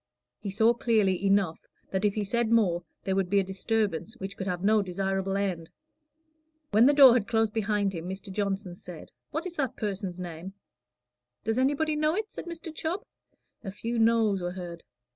He saw clearly enough that if he said more, there would be a disturbance which could have no desirable end. When the door had closed behind him, Mr. Johnson said, "What is that person's name?" "Does anybody know it?" said Mr. Chubb. A few noes were heard.